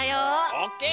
オッケー！